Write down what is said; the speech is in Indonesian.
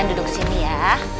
duduk sini ya